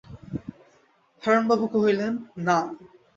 হারানবাবু কহিলেন, না।